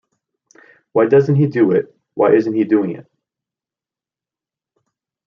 Why doesn't he do it, why isn't he doing it?